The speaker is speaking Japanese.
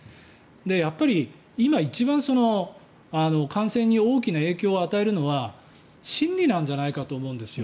やっぱり今、一番感染に大きな影響を与えるのは心理なんじゃないかと思うんです。